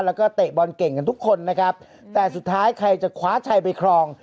แล้วก็เตะบอลเก่งกันทุกคนนะครับแต่สุดท้ายใครจะคว้าชัยไปครอง